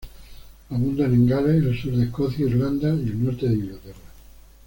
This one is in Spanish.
Abundan en Gales, el sur de Escocia, Irlanda y el norte de Inglaterra.